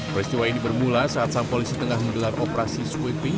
peristiwa ini bermula saat sang polisi tengah menggelar operasi sweeping